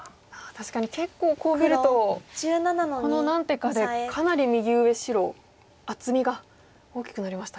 確かに結構こう見るとこの何手かでかなり右上白厚みが大きくなりましたね。